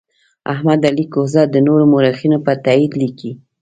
احمد علي کهزاد د نورو مورخینو په تایید لیکي.